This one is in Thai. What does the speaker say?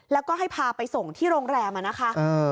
แล้วก็ให้พาไปส่งที่โรงแรมนะคะ